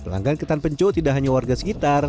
pelanggan ketan penco tidak hanya warga sekitar